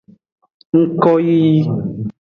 Ngkoyiyi.